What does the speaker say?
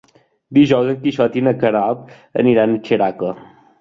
Dijous en Quixot i na Queralt aniran a Xeraco.